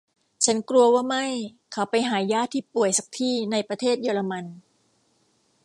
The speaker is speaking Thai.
ฉันกลัวว่าไม่ เขาไปหาญาติที่ป่วยสักที่ในประเทศเยอรมัน